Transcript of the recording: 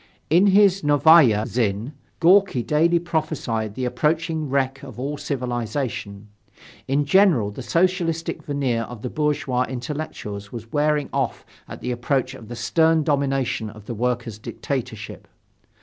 In his Novaya Zhizn, Gorki daily prophesied the approaching wreck of all civilization. In general, the Socialistic veneer of the bourgeois intellectuals was wearing off at the approach of the stern domination of the workers' dictatorship.